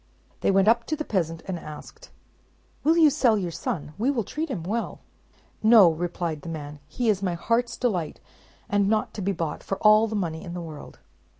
They went up to the peasant, and asked, "Will you sell your son? We will treat him well." "No," replied the man; "he is my heart's delight, and not to be bought for all the money in the world!"